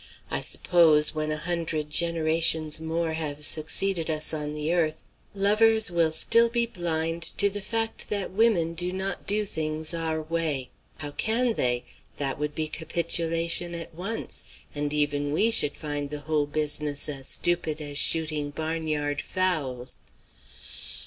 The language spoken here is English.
I suppose, when a hundred generations more have succeeded us on the earth, lovers will still be blind to the fact that women do not do things our way. How can they? That would be capitulation at once, and even we should find the whole business as stupid as shooting barnyard fowls.